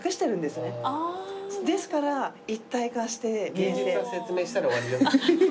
芸術は説明したら終わり。